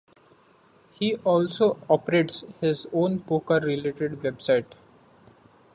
He also operates his own poker-related website.